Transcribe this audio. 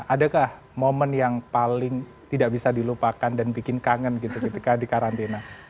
adakah momen yang paling tidak bisa dilupakan dan bikin kangen gitu ketika di karantina